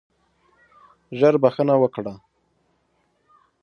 ژر بخښنه وکړه.